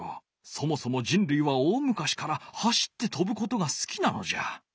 そもそもじんるいは大むかしから走ってとぶことが好きなのじゃ。